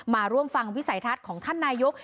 มาร่วมฟังวิสัยทัศน์ของท่านนายก